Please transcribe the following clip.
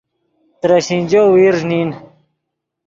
ترے شینجو ویرݱ نین